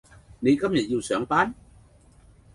你今日要上班?